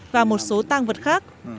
và một số tăng vật khác